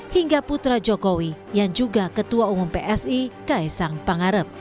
hingga putra jokowi yang juga ketua umum psi kaisang pangarep